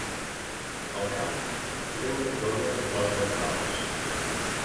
Al cap, hi té una corona de flors naturals.